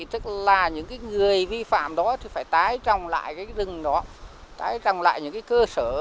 tức là những cái người vi phạm đó thì phải tái trồng lại cái rừng đó tái rằng lại những cái cơ sở